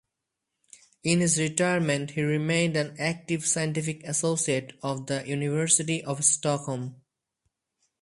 In his retirement, he remained an active scientific associate of the University of Stockholm.